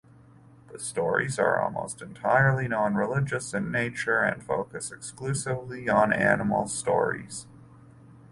The stories are almost entirely non-religious in nature, and focus exclusively on animal stories.